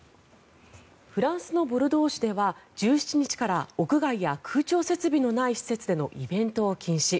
フランスのボルドー市では１７日から屋外や空調設備のない施設でのイベントを禁止。